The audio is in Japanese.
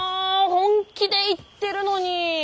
本気で言ってるのに。